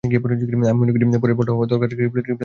আমি মনে করি, পরের বলটা হওয়ার আগে রিপ্লে দেখানোর দরকার ছিল না।